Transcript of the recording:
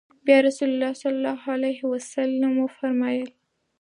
بيا رسول الله صلی الله عليه وسلم وفرمايل: